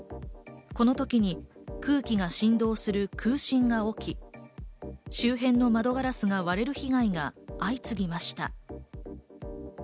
この時に空気が振動する空振が起き、周辺の窓ガラスが割れる被害が相次ぎました。